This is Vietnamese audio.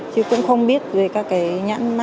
chứ cũng không biết về các cái nhãn mát gì